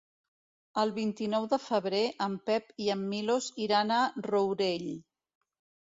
El vint-i-nou de febrer en Pep i en Milos iran al Rourell.